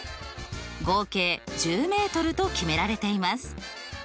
合計１０ｍと決められています。